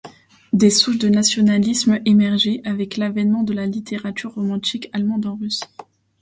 Des souches de nationalisme émergeaient avec l'avènement de la littérature romantique allemande en Russie.